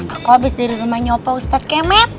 aku habis dari rumahnya ustadz kemet